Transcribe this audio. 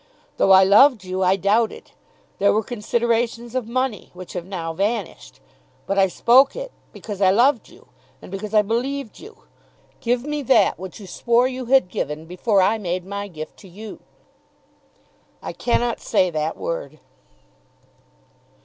Though I loved you, I doubted. There were considerations of money, which have now vanished. But I spoke it, because I loved you, and because I believed you. Give me that which you swore you had given before I made my gift to you." "I cannot say that word."